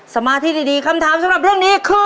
สมาธิดีคำถามต้องรู้นี้คือ